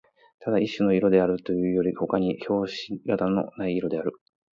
ただ一種の色であるというよりほかに評し方のない色である